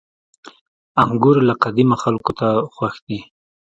• انګور له قديمه خلکو ته خوښ دي.